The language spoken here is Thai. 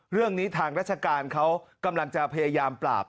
เรื่องนี้ทางราชการเขากำลังจะพยายามปราบ